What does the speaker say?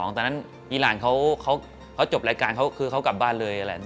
แต่อีหล่านเขาจบรายการเขากลับบ้านเลย